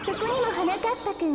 はなかっぱくん。